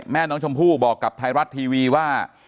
แม่น้องชมพู่บอกกับไทยรัฐทีวีว่า